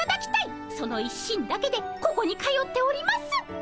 その一心だけでここに通っております。